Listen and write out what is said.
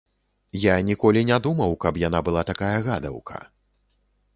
Я ніколі не думаў, каб яна была такая гадаўка.